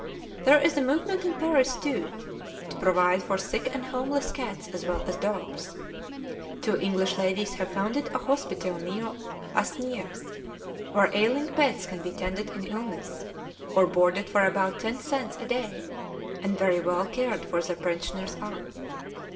There is a movement in Paris, too, to provide for sick and homeless cats as well as dogs. Two English ladies have founded a hospital near Asnières, where ailing pets can be tended in illness, or boarded for about ten cents a day; and very well cared for their pensioners are.